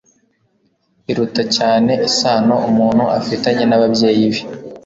iruta cyane isano umuntu afitanye n'ababyeyi be